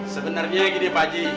sebenernya gini pak ji